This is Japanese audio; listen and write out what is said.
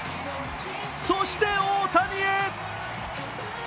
そして大谷へ。